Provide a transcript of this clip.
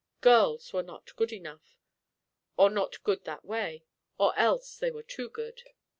Girls were not good enough, or not good that way, or else they were too good.